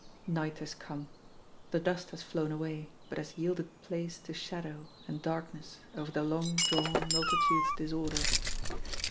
Night has come. The dust has flown away, but has yielded place to shadow and darkness over the long drawn multitude's disorder.